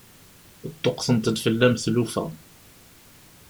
Ṭṭuqqtent-d fell-am tlufa.